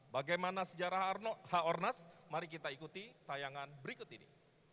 bagaimana sejarah h ornas mari kita ikuti tayangan berikut ini